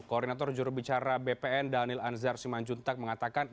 koordinator jurubicara bpn daniel anzar simanjuntak mengatakan